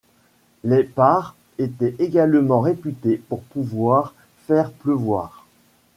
Les Pare étaient également réputés pour pouvoir faire pleuvoir.